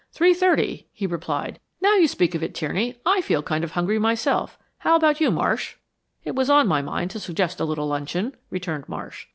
"Three thirty," he replied. "Now you speak of it, Tierney, I feel kind of hungry, myself. How about you, Marsh?" "It was on my mind to suggest a little luncheon," returned Marsh.